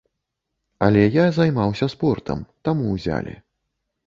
Але я займаўся спортам, таму ўзялі.